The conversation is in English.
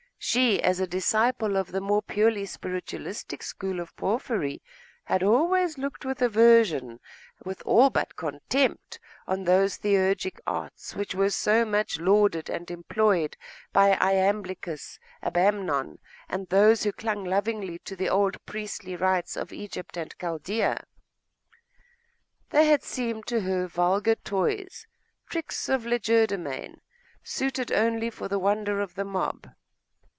She, as a disciple of the more purely spiritualistic school of Porphyry, had always looked with aversion, with all but contempt, on those theurgic arts which were so much lauded and employed by Iamblicus, Abamnon, and those who clung lovingly to the old priestly rites of Egypt and Chaldaea. They had seemed to her vulgar toys, tricks of legerdemain, suited only for the wonder of the mob....